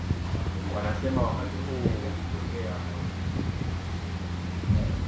Wanasema wakati mwingine hutokea moshi mzito